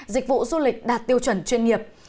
dịch vụ du lịch đạt tiêu chuẩn chuyên nghiệp